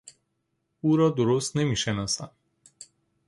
او را درست نمیشناسم.